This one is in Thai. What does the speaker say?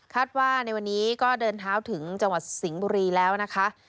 ว่าในวันนี้ก็เดินเท้าถึงจังหวัดสิงห์บุรีแล้วนะคะ